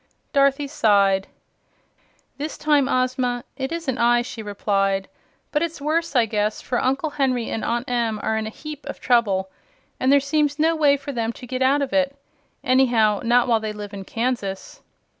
Dorothy sighed. "This time, Ozma, it isn't I," she replied. "But it's worse, I guess, for Uncle Henry and Aunt Em are in a heap of trouble, and there seems no way for them to get out of it anyhow, not while they live in Kansas."